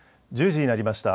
１０時になりました。